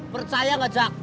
percaya gak jak